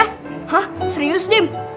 hah serius dim